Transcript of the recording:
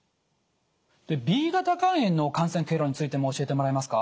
Ｂ型肝炎の感染経路についても教えてもらえますか？